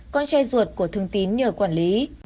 con trai ruột của thường tín nhờ quản lý